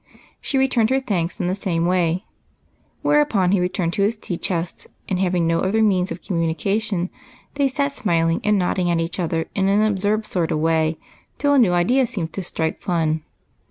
She returned her thanks in the same way, whereupon he returned to his tea chest, and, having no other means of communication, they sat smilino: and noddino^ at one another in an absurd sort of way till a new idea seemed to strike Fun.